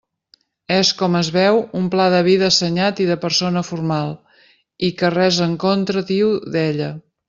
És, com es veu, un pla de vida assenyat i de persona formal, i que res en contra diu d'ella.